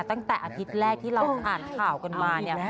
ตั้งแต่อาทิตย์แรกที่เราอ่านข่าวกันมาเนี่ย